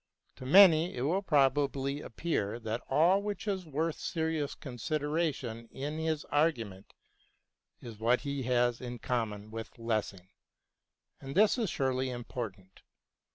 To many it will probably appear that all which is worth serious consideration in his argument is what he has in common with Lessing, and this is surely important.